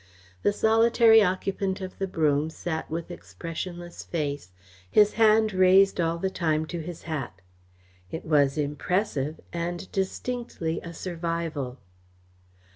The solitary occupant of the brougham sat with expressionless face, his hand raised all the time to his hat. It was impressive and distinctly a survival.